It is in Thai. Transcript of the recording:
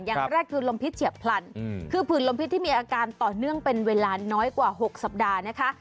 อย่างแรกคือลมพิษเฉียบพลันคือผื่นลมพิษที่มีอาการต่อเนื่องเป็นเวลาน้อยกว่า๖สัปดาห์นะคะ